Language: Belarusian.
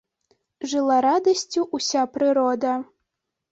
Жыла радасцю ўся прырода.